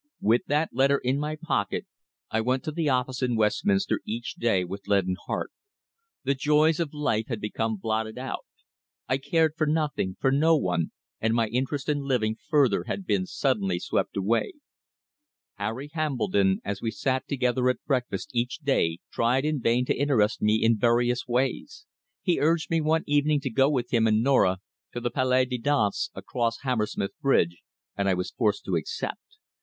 With that letter in my pocket I went to the office in Westminster each day with leaden heart. The joys of life had become blotted out. I cared for nothing, for no one, and my interest in living further had been suddenly swept away. Harry Hambledon, as we sat together at breakfast each day, tried in vain to interest me in various ways. He urged me one evening to go with him and Norah to the Palais de Danse, across Hammersmith Bridge, and I was forced to accept.